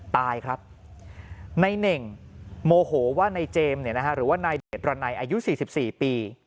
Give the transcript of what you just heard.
ตายครับนายเน่งโมโหว่านายเจมส์หรือว่านายเดชรนัยอายุ๔๔ปี